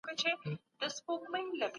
ښوونځي او پوهنتونونه بشري پانګه جوړوي.